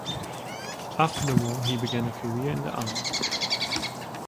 After the war, he began a career in the army.